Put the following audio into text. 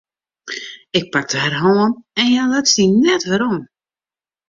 Ik pakte har hân en hja luts dy net werom.